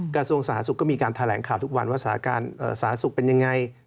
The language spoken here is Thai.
กระทรวงสาธารณสุขก็มีการแถลงข่าวทุกวันว่าสาธารณสุขเป็นยังไง